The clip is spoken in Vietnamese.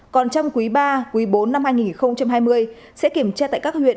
còn trong quý ba quý bốn năm hai nghìn hai mươi sẽ kiểm tra tại các huyện